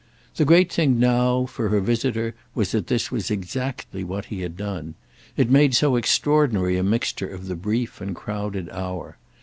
The great thing now for her visitor was that this was exactly what he had done; it made so extraordinary a mixture of the brief and crowded hour.